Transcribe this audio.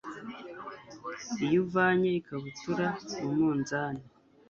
iyo uvanye ikabutura mu munzani